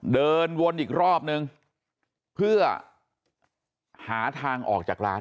เดินวนอีกรอบนึงเพื่อหาทางออกจากร้าน